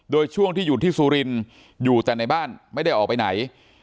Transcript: โดยช่วงที่อยู่ที่สุรินทร์อยู่แต่ในบ้านไม่ได้ออกไปไหน